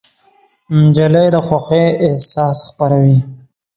نجلۍ د خوښۍ احساس خپروي.